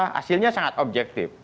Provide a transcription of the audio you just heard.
hasilnya sangat objektif